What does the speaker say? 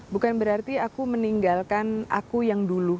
bukan berarti aku meninggalkan aku yang dulu